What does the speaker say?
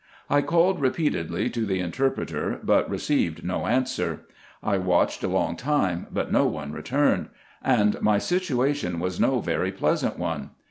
I called repeatedly to the interpreter, but received no answer ; I watched a long time, but no one returned ; and my situation was no very pleasant one.